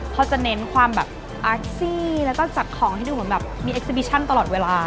แล้วก็จัดของให้ดูเหมือนแบบมีแอคซิบิชั่นตลอดเวลา